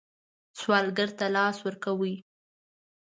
سوالګر ته لاس ورکوئ